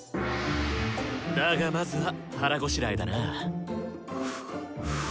だがまずは腹ごしらえだな。